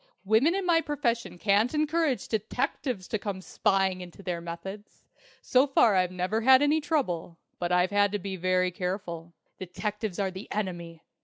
Women in my profession can't encourage detectives to come spying into their methods. So far I've never had any trouble. But I've had to be very careful. Detectives are the Enemy!